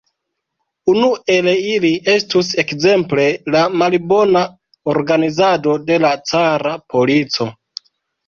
Unu el ili estus ekzemple la malbona organizado de la cara polico.